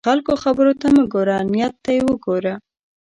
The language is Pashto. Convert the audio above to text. د خلکو خبرو ته مه ګوره، نیت ته یې وګوره.